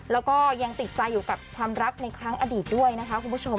แล้วก็ยังติดใจอยู่กับความรักในครั้งอดีตด้วยนะคะคุณผู้ชม